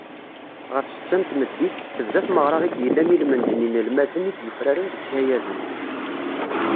Ɣef ssetta n tmeddit, tebda tmeɣra i d-yellan ilmend n yinelmaden i d-yufraren deg yikayaden.